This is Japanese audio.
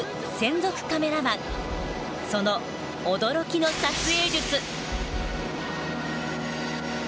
その驚きの撮影術。